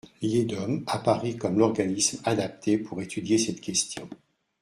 L’IEDOM apparaît comme l’organisme adapté pour étudier cette question.